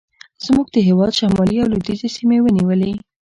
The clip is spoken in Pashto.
زموږ د هېواد شمالي او لوېدیځې سیمې ونیولې.